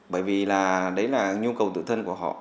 bởi vì là đấy là nhu cầu tự thân của họ